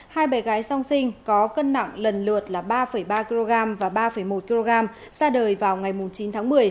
hai bé gái song sinh có cân nặng lần lượt là ba ba kg và ba một kg ra đời vào ngày chín tháng một mươi